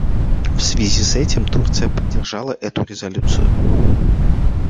В связи с этим Турция поддержала эту резолюцию.